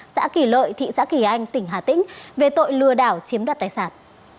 xã kỳ lợi thị xã kỳ anh tỉnh hà tĩnh về tội lừa đảo chiếm đoạt tài sản